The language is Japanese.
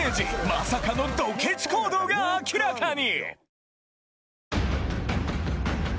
まさかのドケチ行動が明らかに！